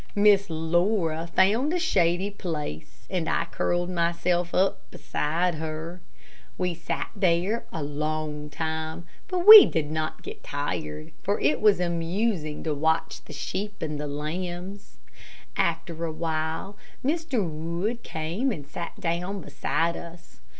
Miss Laura found a shady place, and I curled myself up beside her. We sat there a long time, but we did not get tired, for it was amusing to watch the sheep and lambs. After a while, Mr. Wood came and sat down beside us.